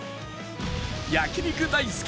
焼肉大好き！